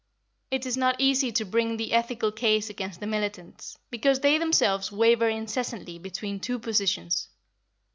It is not easy to bring the ethical case against the militants, because they themselves waver incessantly between two positions.